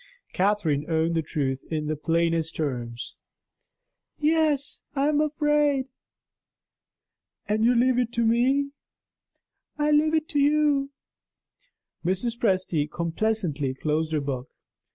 Catherine owned the truth in the plainest terms: "Yes, I am afraid." "And you leave it to me?" "I leave it to you." Mrs. Presty complacently closed her book.